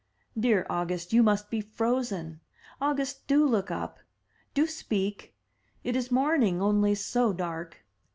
"Dear August, you must be frozen. August, do look up! do speak! It is morning, only so dark!''